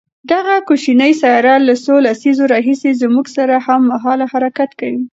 دغه کوچنۍ سیاره له څو لسیزو راهیسې زموږ سره هممهاله حرکت کوي.